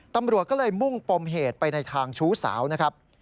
ตำรวจก็เลยมุ่งปมเหตุไปในทางชู้สาวนะครับ